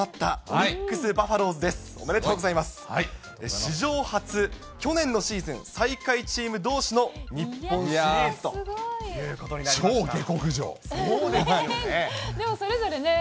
史上初、去年のシーズン最下位チームどうしの日本シリーズということになすごい。